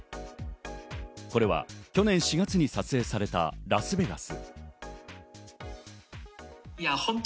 これは去年４月に撮影されたラスベガス。